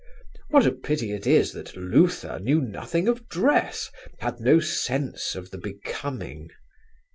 What a pity it is that Luther knew nothing of dress, had no sense of the becoming.